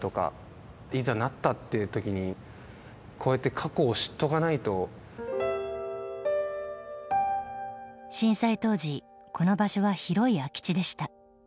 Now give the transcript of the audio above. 被害的には震災当時この場所は広い空き地でした。